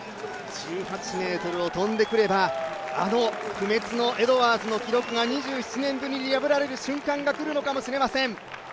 １８ｍを跳んでくればあの不滅のエドワーズの記録が２７年ぶりに破られる瞬間が来るのかもしれません。